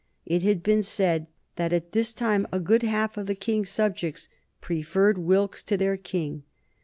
It had been said that at this time a good half of the King's subjects preferred Wilkes to their King.